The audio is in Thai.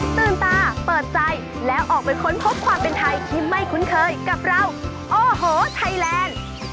ตื่นตาเปิดใจแล้วออกไปค้นพบความเป็นไทยที่ไม่คุ้นเคยกับเราโอ้โหไทยแลนด์